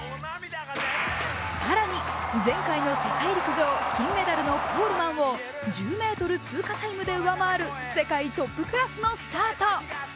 更に、前回の世界陸上・金メダルのコールマンを１０ｍ通過タイムで上回る世界トップクラスのスタート。